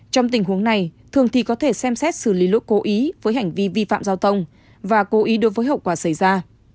trong tình huống này thường thì có thể xem xét xử lý lỗi cố ý với hành vi vi phạm giao thông và cố ý đối với hậu quả xảy ra